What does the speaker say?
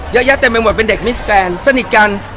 เยอะแยะเต็มไปหมดเป็นเด็กมิสแกนสนิทกัน